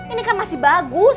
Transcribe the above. ini kan masih bagus